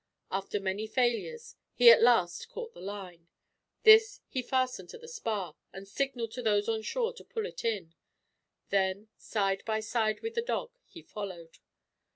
After many failures, he at last caught the line. This he fastened to the spar, and signaled to those on shore to pull it in; then, side by side with the dog, he followed.